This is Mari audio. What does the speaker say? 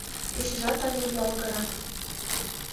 Кечыжат але юалгырак...